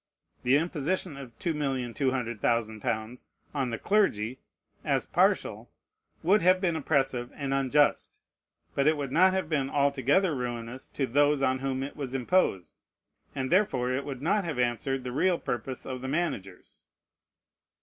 The imposition of 2,200,000 l. on the clergy, as partial, would have been oppressive and unjust, but it would not have been altogether ruinous to those on whom it was imposed; and therefore it would not have answered the real purpose of the managers.